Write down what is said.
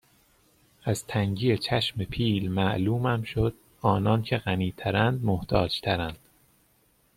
از تنگی چشم پیل معلومم شد آنان که غنی ترند محتاج ترند